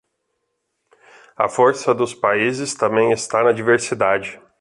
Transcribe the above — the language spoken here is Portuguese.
A força dos países também está na diversidade